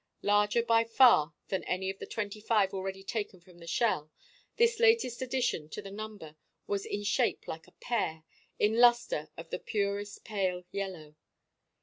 Larger by far than any of the twenty five already taken from the shell, this latest addition to the number was in shape like a pear, in lustre of the purest pale yellow.